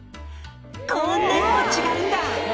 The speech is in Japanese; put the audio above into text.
「こんなにも違うんだ」